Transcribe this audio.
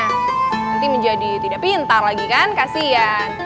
nanti menjadi tidak pintar lagi kan kasian